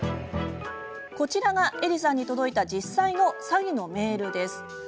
こちらが、エリさんに届いた実際の詐欺のメールです。